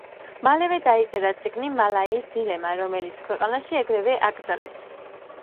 მალევე დაწერა წიგნი „მალაიის დილემა“, რომელიც ქვეყანაში ეგრევე აკრძალეს.